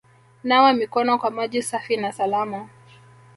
Nawa mikono kwa maji safi na salama